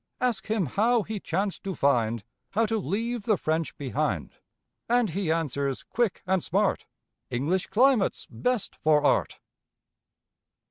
Ask him how he chanced to find How to leave the French behind, And he answers quick and smart, "English climate's best for Art."